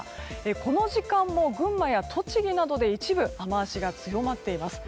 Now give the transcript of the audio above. この時間も群馬や栃木などで一部、雨脚が強まっています。